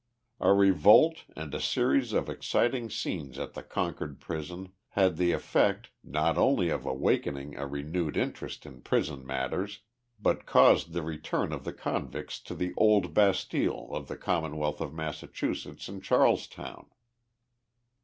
A revolt and a series of exciting scenes at the Concord prison had the effect, not only of awakening a renewed interest in prison matters, but caused the return of the convicts to the old bastile of the Commonwealth of Massachusetts in Charlestown.